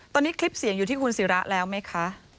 ตอนนี้คลิปเสียงอยู่ที่คุณศิระแล้วไหมคะ